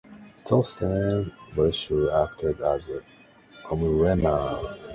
Torsten Breuer acted as cameraman.